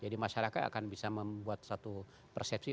jadi masyarakat akan bisa membuat satu persepsi